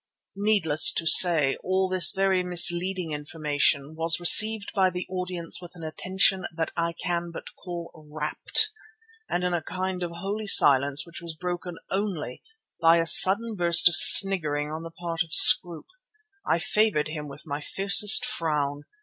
Needless to say all this very misleading information was received by the audience with an attention that I can but call rapt, and in a kind of holy silence which was broken only by a sudden burst of sniggering on the part of Scroope. I favoured him with my fiercest frown.